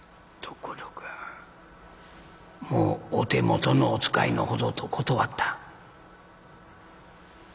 「ところがもうお手元のをお使いのほどと断った」。